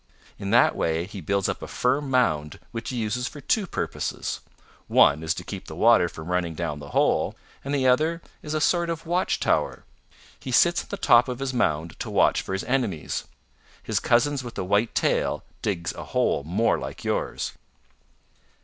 In that way he builds up a firm mound which he uses for two purposes; one is to keep the water from running down the hole, and the other is as a sort of watch tower. He sits on the top of his mound to watch for his enemies. His cousins with the white tail digs a hole more like yours.